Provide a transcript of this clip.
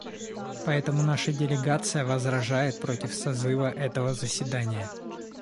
Поэтому наша делегация возражает против созыва этого заседания.